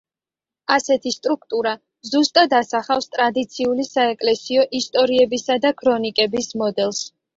ასეთი სტრუქტურა ზუსტად ასახავს ტრადიციული საეკლესიო ისტორიებისა და ქრონიკების მოდელს.